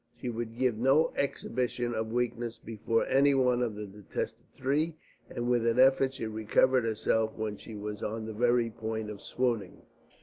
She would give no exhibition of weakness before any one of the detested three, and with an effort she recovered herself when she was on the very point of swooning.